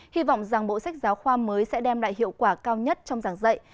hy vọng rằng bộ sách giáo khoa mới sẽ đem lại hiệu quả cao nhất trong giảng dạy